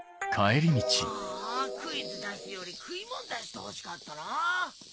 ああクイズ出すより食いもん出してほしかったな。